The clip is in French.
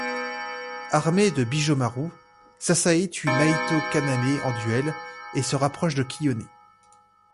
Armée de Bijomaru, Sasae tue Naito Kaname en duel et se rapproche de Kiyone.